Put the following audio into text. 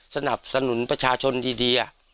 สนับสนุนประชาชนดี